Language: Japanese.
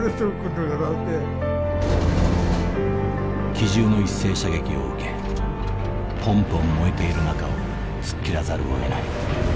「機銃の一斉射撃を受けぽんぽん燃えている中を突っ切らざるをえない。